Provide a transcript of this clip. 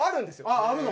あっあるの？